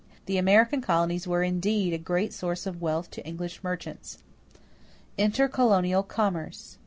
The American colonies were indeed a great source of wealth to English merchants. =Intercolonial Commerce.